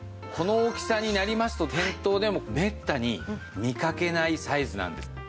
この大きさになりますと店頭でもめったに見かけないサイズなんです。